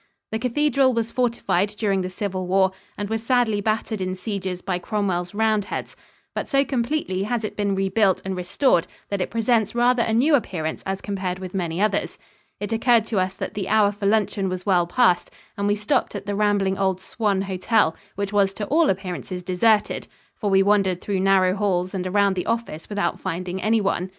The cathedral was fortified during the civil war and was sadly battered in sieges by Cromwell's Roundheads; but so completely has it been rebuilt and restored that it presents rather a new appearance as compared with many others. It occurred to us that the hour for luncheon was well past, and we stopped at the rambling old Swan Hotel, which was to all appearances deserted, for we wandered through narrow halls and around the office without finding anyone.